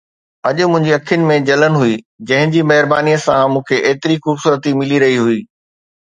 اڄ منهنجي اکين ۾ جلن هئي، جنهن جي مهربانيءَ سان مون کي ايتري خوبصورتي ملي رهي هئي